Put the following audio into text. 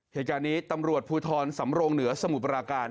เหตุการณ์นี้ตำรวจภูทรสำรงเหนือสมุทรปราการ